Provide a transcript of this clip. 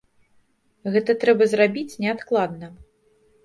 Гэта трэба зрабіць неадкладна.